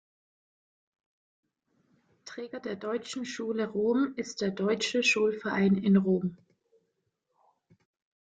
Träger der Deutschen Schule Rom ist der Deutsche Schulverein in Rom.